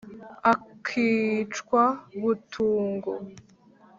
Akicwa butungo